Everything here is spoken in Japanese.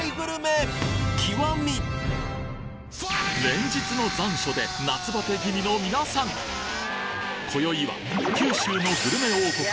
連日の残暑で夏バテ気味の皆さん今宵は九州のグルメ王国